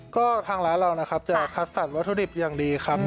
ก็ทางร้านเรานะครับจะคัดสรรวัตถุดิบอย่างดีครับ